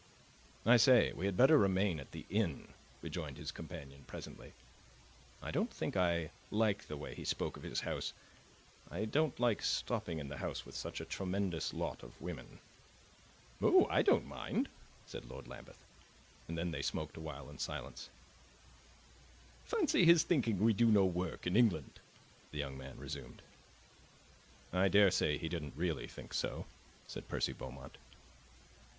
"I say, we had better remain at the inn," rejoined his companion presently. "I don't think I like the way he spoke of his house. I don't like stopping in the house with such a tremendous lot of women." "Oh, I don't mind," said Lord Lambeth. And then they smoked a while in silence. "Fancy his thinking we do no work in England!" the young man resumed. "I daresay he didn't really think so," said Percy Beaumont.